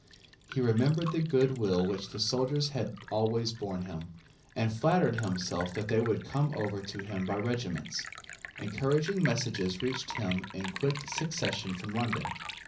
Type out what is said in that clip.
He remembered the good will which the soldiers had always borne him, and flattered himself that they would come over to him by regiments. Encouraging messages reached him in quick succession from London.